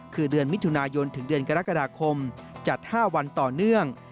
คือเดือนมิถุนายนถึงเดือนกรกฎาคมจัด๕วันต่อเนื่อง